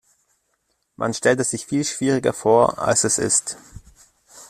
Man stellt es sich viel schwieriger vor, als es ist.